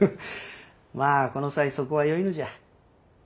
まぁこの際そこはよいのじゃ。